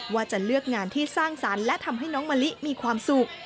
ว่าจะเลือกงานที่สร้างสรรค์และทำให้น้องมะลิมีความสุข